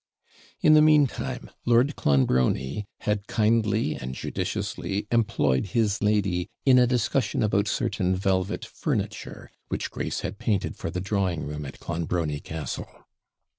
In the meantime, Lord Clonbrony had kindly and judiciously employed his lady in a discussion about certain velvet furniture, which Grace had painted for the drawing room at Clonbrony Castle.